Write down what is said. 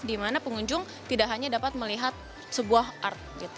di mana pengunjung tidak hanya dapat melihat sebuah art